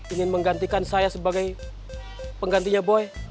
ingin menggantikan saya sebagai penggantinya boy